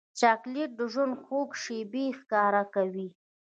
چاکلېټ د ژوند خوږې شېبې ښکاره کوي.